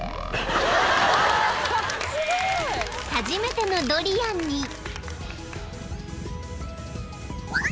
［初めてのドリアンに］